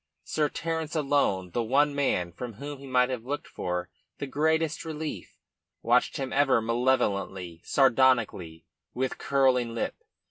Sir Terence alone the one man from whom he might have looked for the greatest relief watched him ever malevolently, sardonically, with curling lip.